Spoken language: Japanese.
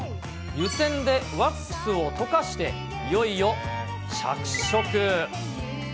湯煎でワックスを溶かして、いよいよ着色。